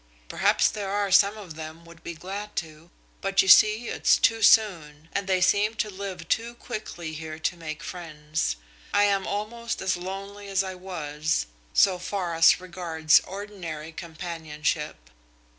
Perhaps there are some of them would be glad to, but you see it's too soon, and they seem to live too quickly here to make friends. I am almost as lonely as I was, so far as regards ordinary companionship.